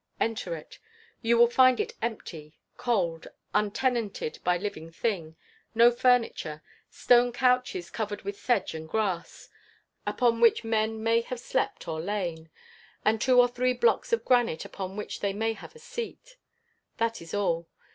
Enter it. You will find it empty, cold, untenanted by living thing. No furniture. Stone couches covered with sedge and grass, upon which men may have slept or lain; and two or three blocks of granite upon which they may have sat. That is all.